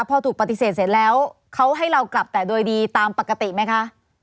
พอถูกปฏิเสธเสร็จแล้วเขาให้เรากลับแต่โดยดีตามปกติไหมคะ